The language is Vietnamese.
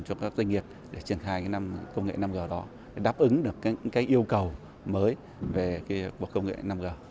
cho các doanh nghiệp để triển khai năm công nghệ năm g đó đáp ứng được những yêu cầu mới của công nghệ năm g